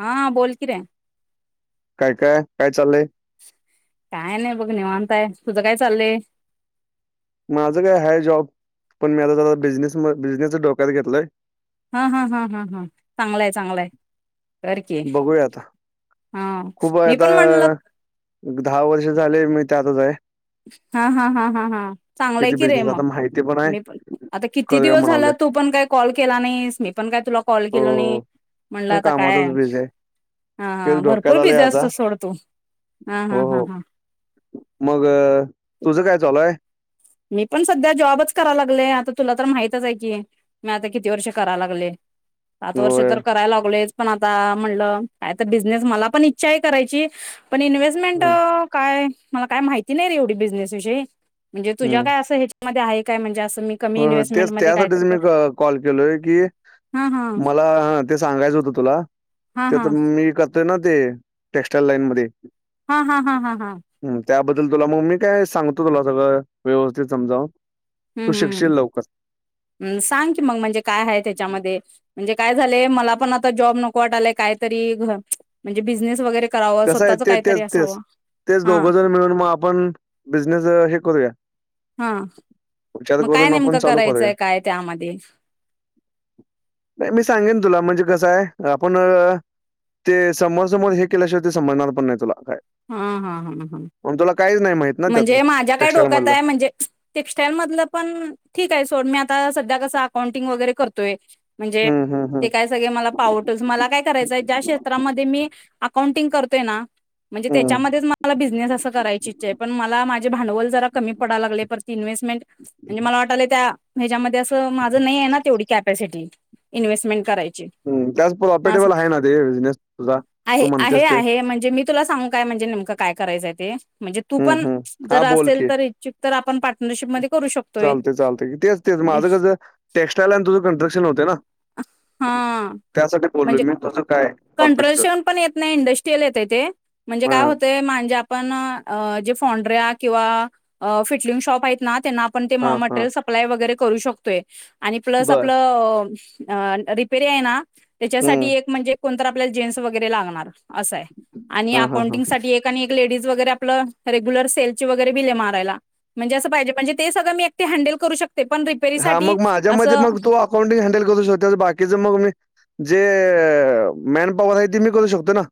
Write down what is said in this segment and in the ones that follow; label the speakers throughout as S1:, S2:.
S1: हा बोल की रे
S2: काय काय चालय.
S1: काय नाही बघ निवांताय तुझं काय चाललंय.
S2: माझं काय हा जॉब पण मी आता जरा बिझनेस बिझनेसच डोक्यात घेतलोय.
S1: हा हा हा हा हा चांगलाय च
S2: बघूया आता तु काय
S1: मी पण
S2: आता
S1: म्हणलं
S2: दहा वर्ष झाले मी ते त्यातच आहे.
S1: हा हा हा हा हा चांगलाय
S2: किती
S1: की रे
S2: बिझनेस आता
S1: मग
S2: माहिती आहे
S1: मी पण आता किती
S2: करूया
S1: दिवस
S2: म्हणालोय
S1: झालं तू पण काय कॉल केला नाहीस? मी पण काय तुला. कॉल
S2: हो
S1: केलो नाही म्हटल
S2: नाही
S1: आता काय
S2: कामातच बिझी आहे
S1: ह
S2: तेच डोक्यात
S1: भरपूर
S2: आलंय
S1: बिझी
S2: आता
S1: असतोस सोड तू हा हा हा हा.
S2: ह मग तुझं काय चालु हाय.
S1: मी पण सध्या जॉबच कराय लागले आता तुला तर माहितच आहे, की मी आता किती वर्ष कराय लागले. सात वर्ष
S2: होय
S1: तर करायला लागलोयच. पण आता म्हणलं कायतर बिझनेस मला पण इच्छा आहे करायची. पण इन्व्हेस्टमेंट
S2: हं,
S1: काय मला काय माहिती. ती नाही रे एवढी बिझनेस विषयी. तुझ्या काय असं ह्याच्यामध्ये आहे काय म्हणजे अस
S2: हो हो ते त्यासाठीच मी कॉल केलोय? की
S1: हा हा
S2: मला हा ते सांगायचं होतं तुला
S1: हा
S2: ते
S1: हा
S2: तर मी करतोय ना. ते टेक्स्टाईल लाईन मध्ये.
S1: हा -हा -हा- हा- हा.
S2: त्याबद्दल तुला मग मी काय सांगतो तुला सगळं व्यवस्थित समजावून. तू
S1: हम्म
S2: शिकशील
S1: हम्
S2: लवकर.
S1: ह सांग की मग म्हणजे काय आहे, त्याच्यामध्ये म्हणजे काय. सं झालंय मलापण आता जॉब नको वाटलयं काहीतरी घ म्हणजे बिझनेस वगैरे. करावं
S2: कसं आहे,
S1: स्वतःच
S2: ते
S1: काहीतरी
S2: तेच, तेच,
S1: असावं
S2: तेच
S1: हा
S2: दोघंजण मिळून मग आपण बिझनेसं हे करूया.
S1: हा
S2: विचार
S1: मग काय
S2: करून आपण
S1: नेमकं
S2: चालू करूया,
S1: करायचंय काय त्यामध्ये
S2: नाही मी सांगेन तुला म्हणजे कसं आहे. आपण ते समोरासमोर हे केल्याशिवाय ते सजणार पण नाही तुला. काय.
S1: हा हा हा हा
S2: मग तुला काहीच नाही माहीत ना त्यातलं
S1: म्हणजे माझ्या काय डोक्यात
S2: टेक्सटाईलमधलं.
S1: आहे, म्हणजे टेक्सटाइल मधलं पण ठीक आहे, सोड मी आ ता सध्या कस अकाउंटिंग वगैरे करतोय. म्हणजे
S2: हं, हं, हं.
S1: ते काय सगळे मला पावटच मला काय करायचंय ज्या क्षेत्रामध्ये मी. अकाउंटिंग करतोय ना. म्हणजे
S2: हं,
S1: त्याच्यामध्येच मला बिझनेस असं करायची ई चा आहे पण मला माझे भांडवल जरा कमी पडा लागलय, परत इन्व्हेसमेंट म्हणजे मला वाटालय त्या ह्याच्यामध्ये अस ते माझ नाही आहे ना तेवडी. कॅपॅसिटी इन्हेसमेंट कराय
S2: ह त्यास प्रॉफिटेबल आहे, ना ते बिझनेस तुझा तू
S1: आहे आहे
S2: म्हणतेस ते.
S1: आहे म्हणजे मी तुला सांगू काय म्हणजे नेमकं काय करायचंय ते. म्हणजे तू
S2: हं,
S1: पण
S2: हं. हां,
S1: जर
S2: बोल
S1: असेल
S2: की.
S1: तर इच्छुक. तर आपण पार्टनरशिपमध्ये. करू शकतोय.
S2: चालते, चालते तेच, तेच
S1: म्हणजे
S2: माझं कस टेक्स्टाईल आणि तुझ कन्स्ट्रक्शन होते, ना
S1: हा
S2: त्यासाठी बोललो
S1: म्हणजे
S2: मी तुझं काय प्राॅपीटच.
S1: कंट्रोलशन पण येत नाही इंडस्ट्रियल येते ते म्हणजे काय होतंय म्हंजे आपण जे फोंड्रया किंवा अ फिटलिंग शॉप आहेत त्यांना आ पण ते
S2: हां, हां.
S1: म-मट्रेल सप्लाय वगैरे करू शकतोय. आणि प्लस
S2: बरं.
S1: आपल अ रिप पेरी आहे ना. तेच्यासाठी
S2: हं.
S1: एक म्हणजे कोणतर आपल्याला जेंट्स वगैरे लागणार. असं आहे.
S2: हां, हां, हां.
S1: अकाउंटिंगसाठी एक आणि लेडीज वगैरे आपलं रेग्युलर सेलची वगैरे बिले मारायला म्हणजे अस पाहिजे म्हणजे ते सगळ मी एकटी हॅण्डेल करू शक
S2: हा मग माझ्या मजे मग तू अकाउंटिंग हँडल करू शकत्यास बाकीच मग मी जे मॅन पॉवर आहे ती मी करू शकतो ना.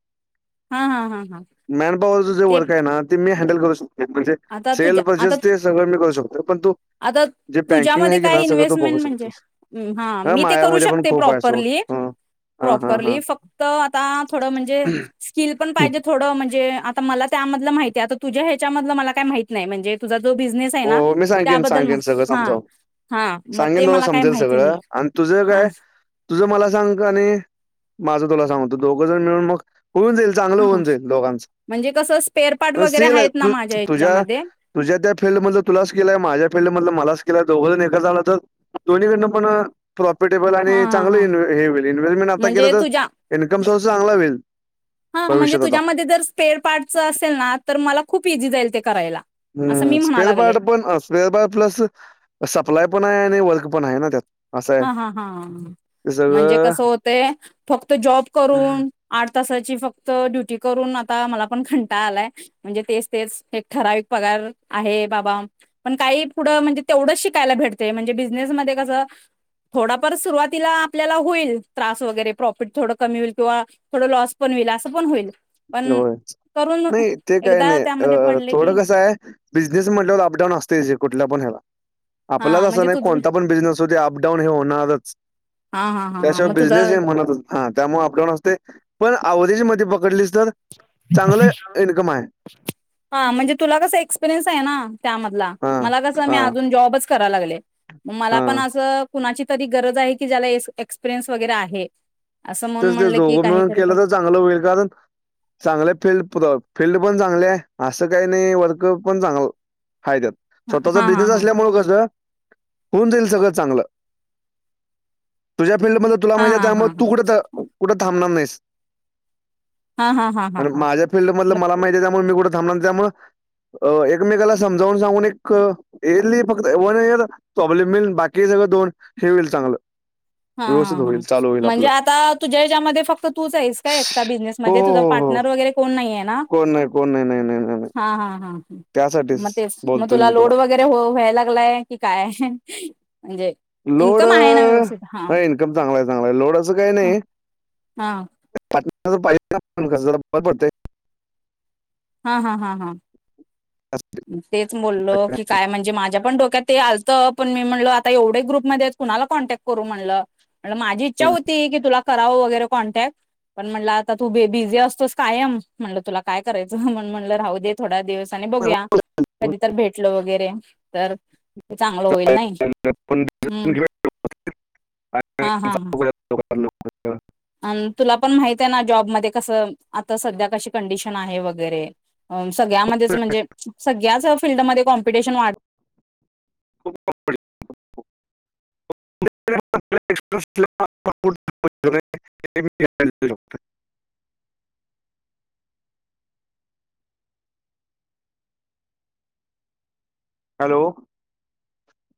S1: हां, हां, हां, हां
S2: [inaudible] मॅन पॉवरच जे
S1: ते
S2: वर्क का आहे ना ते मी हँडल करु शक तो म्हणजे
S1: आता
S2: सेल
S1: तुझ्या आता
S2: परचेस ते सगळं मी करू शकतो पण तु जे बँक
S1: मध्ये काय इन्व्हेस्टमेंट म्हणजे हा
S2: हां,
S1: मी ते करु
S2: माझ्यामध्ये पण
S1: शकते
S2: खूप आहे सोड.
S1: प्रोपरली,
S2: हं. हां, हां, हां.
S1: प्रोपरली फक्त आता पाम थोडं म्हणजे स्किल पण
S2: हो,
S1: पाहिजे थोडं म्हणजे मला त्यामधलं माहिती हाय आता तुझ्या ह्याच्यामधलं मला काय माहित नाही म्हणजे तुझा जो बिझनेस आहे ना
S2: हो मी सांगेन,
S1: त्याबद्दल म-
S2: सांगेन सगळं
S1: हा
S2: समजावून
S1: हा मग
S2: सांगेन
S1: ते
S2: नव
S1: मला काही
S2: समजेल
S1: माहिती नाही
S2: सगळं आणि तुझं
S1: हा
S2: काय? तुझ मला सांग का आणि माझं तुला सांगतो दोघं जण मिळून मग होऊन जाईल चांगलं
S1: ह
S2: होऊन जाईल दोघांच
S1: म्हणजे कसं स्पेअर पार्ट वगैरे
S2: सिल आहे.
S1: आहेत ना
S2: तु
S1: माझ्या
S2: तुझ्या
S1: ह्याच्यामध्ये
S2: तुझ्या त्या फील्ड मधे तुला हाय स्किल हाय. माझ्या फील्ड मधलं स्किल हाय दोघ जण एक झालं तर दोन्हीकडनं पण प्रॉफिटेबल
S1: हा
S2: आणि
S1: ह
S2: चांगलं
S1: हां
S2: इन्वे हे होईल इन्व्हेस्टमेंट आता केलं
S1: म्हणजे तुझ्या
S2: तर इन्कम सोर्स चांगला होईल
S1: हा म्हणजे
S2: भविष्यात आता.
S1: तुझ्यामध्ये जर स्पेअर पार्टच
S2: [inaudible]
S1: असेल ना तर मला खूप इझी जाईल ते करायला. असं
S2: हम्म,
S1: मी म्हणा
S2: स्पेअर
S1: लागले
S2: पार्ट पण स्पेअर पार्ट प्लस सप्लाय पण आहे आणि वर्क पण आहे ना त्यात. असं आहे
S1: हा हा हा
S2: ते
S1: म्हणजे
S2: सगळं
S1: कस होतय फक्त जॉब करून आठ तासाची फ क्त ड्युटी करून आता मला पण कंटाळा आलाय म्हणजे तेच तेच एक ठराविक पगार आहे बाबा पण काही पुढं म्हणजे तेवढंच शिकायला भेटते म्हणजे बिझनेस मध्ये कसं थोडाफार सुरुवातीला आपल्याला होईल त्रास वगैरे प्रॉफिट थोडं कमी होईल किंवा थोडं लॉस पण होईल असं पण होईल. पण
S2: होय
S1: करून
S2: नाही ते काय
S1: एकदा
S2: नाही
S1: त्यामध्ये
S2: अ
S1: पडले की
S2: थोडं कसं आहे बिजनेस म्हटलंवर अपडाऊन असतयचं जे कुठल्या पण ह्याला. आपलाच
S1: हा
S2: असं
S1: म्हणजे
S2: नाही
S1: तुझ
S2: कोणता पण बिझनेस होत अपडाऊन हे होणारच.
S1: हा हा हा हा
S2: त्याशिवाय
S1: मग तुझा
S2: बिझनेस हे म्हणतच हा त्यामुळे आपला अस्तय पण आवरेज मध्ये पकडलीस तरर
S1: हा म्हणजे तुला कस एक्स्पिरियन्स आहे ना त्यामधला
S2: हां,
S1: मला कस मी
S2: हां,
S1: आजुन जॉबच णाय लागलेय मलापण
S2: हां.
S1: अस कुणाची तरी गरज आहे की ज्याला एक्स्पिरियन्स वगैरे आहे असं म्हणून
S2: तेच तेच
S1: म्हणलं की
S2: दोघं मिळून
S1: काहीतरी कर
S2: केलं तर चांगलं होईल कारण चांगलं फील्ड फील्ड पण चांगले असं काही नाही वर्क पण चांगलं हाय त्यात
S1: हा
S2: स्वतःचा
S1: हा
S2: बिझनेस
S1: हा
S2: असल्यामुळे कसं होऊन जाईल सगळं चांगलं तुझ्या फिल्ड मधलं तुला
S1: हा
S2: म्हायतीय
S1: हा हा
S2: त्यामुळं तु
S1: हा
S2: कुडं आं मनाम मेस
S1: हा हा हा
S2: आणि
S1: हा
S2: माझ्या फिल्ड मधलं
S1: मग
S2: मला माहिती आहे त्यामुळे मी कुठं थांबणार त्यामळं अ एकमेकाला समजावून सांगून एक येरली फक्त वन इयर प्रॉब्लेम होईल बाकी सगळं दोन हे होईल चांगलं
S1: हा हा
S2: व्यवस्थित
S1: हा
S2: होईल चालू होईल
S1: म्हणजे
S2: आपलं
S1: आता तुझ्या हच्यामध्ये फक्त तूच आहेस का एक्स्ट्रा बिझनेस म
S2: हो हो
S1: तुझा
S2: हो हो
S1: पार्टनर वगैरे कोण नाही आहे ना
S2: कोण नाही कोण नाही नाही नाही नाही नाही
S1: हा ह ह मग
S2: त्यासाठीच
S1: तेच मग
S2: बोलतोय
S1: तुला
S2: मी
S1: लोड वगैरे व्हायला लागलाय की काय ह म्हणजे इन्कम आहे ना व्यवस्ित [unintelligible]
S2: ह इन्कम चांगला आहे चांगला लोड असं काही नाही
S1: हा
S2: पाहिजेस जरा बर पडते
S1: हा हा हा हा
S2: त्यासाठी.
S1: तेच बोललो की काय म्हणजे माझ्या पण डोक्यात ते आलतं पण मी म्हण आता एवढे ग्रुपमध्ये कुणाला कॉन्टॅक्ट करू म्हटलं म्हण माझी इच्छा होती की तुला कराव वगैरे कॉन्टॅक्ट पण म्हण आता तू ब बिझी असतोस कायम म्हटलं तुला काय करायचं म्हण म्हटलं राहू दे थोड्या दिवस बघूया कधी तर भेटल वगैरे तर ते चांगलं होईल नाही
S2: पण
S1: हम्
S2: घेऊया
S1: हा हा हा
S2: ल
S1: अ तुला पण माहित आहे ना जॉबमध्ये कस आता सध्या कशी कंडिशन आहे वगैरे सगळ्यामध्येच म्हणजे सगळ्याच फीलल्डमध्ये कॉम्पिटिशन वाढत
S2: प्र हॅलो